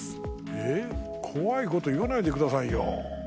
えっ怖いこと言わないでくださいよ。